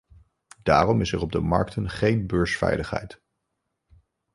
Daarom is er op de markten geen beursveiligheid.